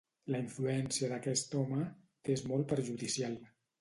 La influència d'aquest home t'és molt perjudicial.